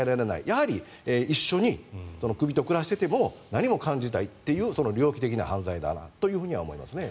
やはり一緒に首と暮らしていても何も感じないっていう猟奇的な犯罪だなと思いますね。